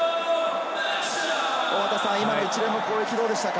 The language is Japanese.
今の一連の攻撃、どうでしたか？